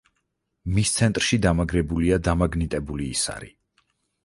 მის ცენტრში დამაგრებულია დამაგნიტებული ისარი.